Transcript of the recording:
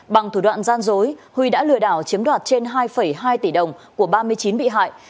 bằng thủ đoạn gian dối huy đã lừa đảo chiếm đoạt trên hai hai tỷ đồng của ba mươi chín bị hại